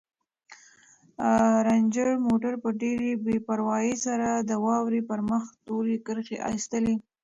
رنجر موټر په ډېرې بې پروايۍ سره د واورې پر مخ تورې کرښې ایستلې.